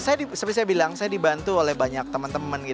seperti saya bilang saya dibantu oleh banyak teman teman